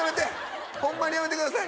ホンマにやめてください